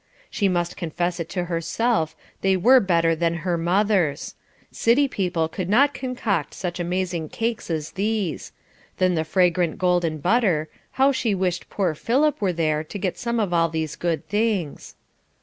She must confess it to herself, they were better than her mother's; city people could not concoct such amazing cakes as these; then the fragrant golden butter, how she wished poor Philip were there to get some of all these good things.